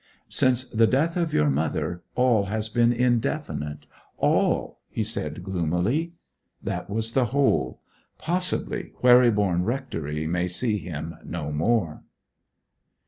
'Since the death of your mother all has been indefinite all!' he said gloomily. That was the whole. Possibly, Wherryborne Rectory may see him no more.